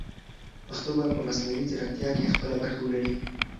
پښتو به په مصنوعي ځیرکتیا کې خپله برخه ولري.